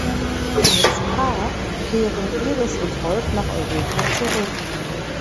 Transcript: Als Paar kehren Iris und Rolf nach Europa zurück.